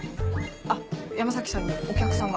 あっ山さんにお客さんが。